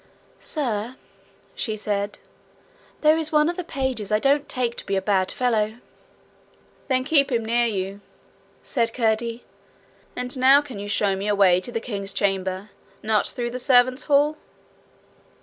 'Sir,' she said, 'there is one of the pages I don't take to be a bad fellow.' 'Then keep him near you,' said Curdie. 'And now can you show me a way to the king's chamber not through the servants' hall?'